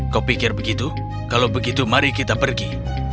kau pikir begitu kalau begitu mari kita pergi